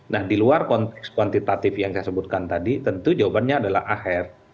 nah di luar konteks kuantitatif yang saya sebutkan tadi tentu jawabannya adalah aher